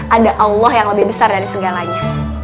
ada allah yang lebih besar dari segalanya